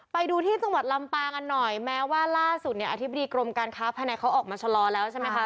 ไปดูที่สมรรถลำปากันหน่อยแม้ว่าล่าสุดอธิบดีกรมการค้าภาพแผนกเขาออกมาชะลอแล้วใช่ไหมคะ